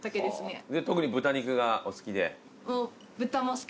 特に豚肉がお好きで？